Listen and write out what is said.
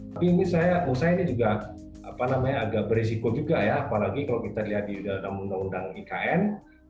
tapi ini menurut saya ini juga agak beresiko juga ya apalagi kalau kita lihat di dalam undang undang ikn